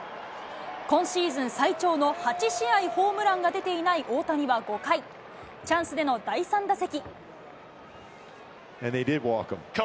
今シーズン最長の８試合ホームランが出ていない大谷は５回、チャンスでの第３打席。